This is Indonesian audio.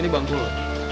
ini bangku lo